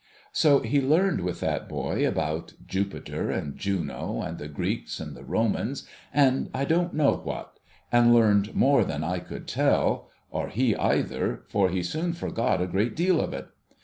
So he learned with that boy about Jupiter and Juno, and the Greeks and the Romans, and I don't know what, and learned more than I could tell — or he either, for he soon forgot a great deal of it.